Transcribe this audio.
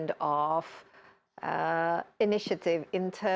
dengan inisiatif ini